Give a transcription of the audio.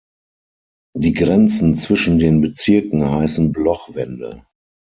Die Grenzen zwischen den Bezirken heißen Bloch-Wände.